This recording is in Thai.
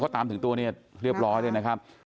ตามถึงตัวเนี่ยเรียบร้อยเลยนะครับ